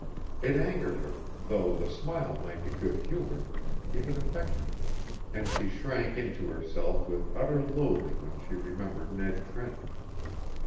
It angered her though the smile might be good humored, even affectionate. And she shrank into herself with utter loathing when she remembered Ned Trent.